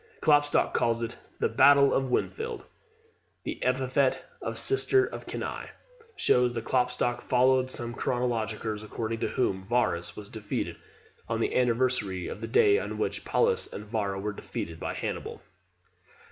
Klopstock calls it the "Battle of Winfield." The epithet of "Sister of Cannae" shows that Klopstock followed some chronologers, according to whom, Varus was defeated on the anniversary of the day on which Paulus and Varro were defeated by Hannibal.